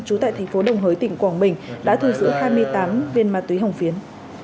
trú tại thành phố đồng hới tỉnh quảng bình đã thu giữ hai mươi tám viên ma túy hồng phiến